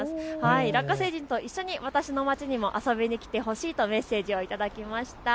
ラッカ星人と一緒に私の街にも遊びに来てほしいとメッセージを頂きました。